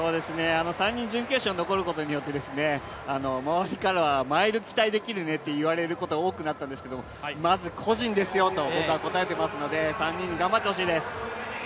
３人準決勝に残ることによって周りからはマイル期待できるねと言われることが多くなったんですけどまず個人ですよと、僕は答えていますので、３人に頑張ってほしいです。